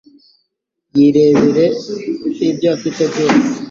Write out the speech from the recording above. yirebere ibyo afite byose